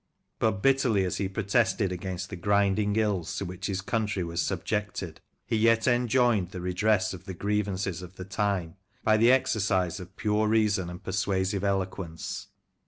But bitterly as he pro tested against the grinding ills to which his country was subjected, he yet enjoined the redress of the grievances of the time by the exercise of pure reason and persuasive eloquence.